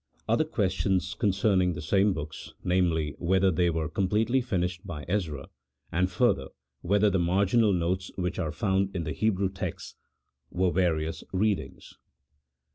OTHER QUESTIONS CONCERNING THE SAME BOOKS : NAMELY, WHETHER THEY WERE COMPLETELY FINISHED BY EZRA, AND, FURTHER, WHETHER THE MARGINAL NOTES WHICH ARE FOUND IN THE HEBREW TEXTS WERE VARIOUS READINGS.